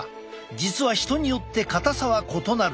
実は人によって硬さは異なる。